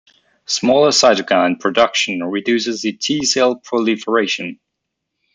Smaller cytokine production reduces the T cell proliferation.